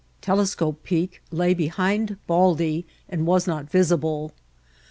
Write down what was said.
Telescope Peak lay behind Baldy and was not visible.